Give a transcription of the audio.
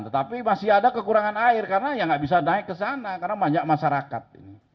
tetapi masih ada kekurangan air karena ya nggak bisa naik ke sana karena banyak masyarakat